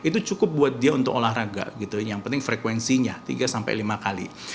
itu cukup buat dia untuk olahraga gitu yang penting frekuensinya tiga sampai lima kali